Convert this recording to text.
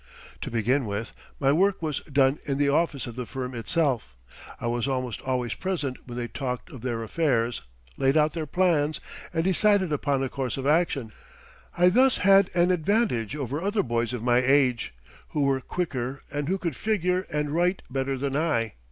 To begin with, my work was done in the office of the firm itself. I was almost always present when they talked of their affairs, laid out their plans, and decided upon a course of action. I thus had an advantage over other boys of my age, who were quicker and who could figure and write better than I.